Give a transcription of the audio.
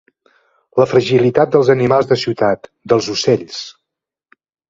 La fragilitat dels animals de ciutat, dels ocells.